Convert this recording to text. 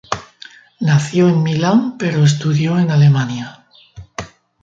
Nació en Milán pero estudió en Alemania.